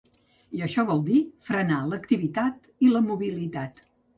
I això vol dir frenar l’activitat i la mobilitat.